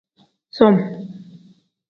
Som.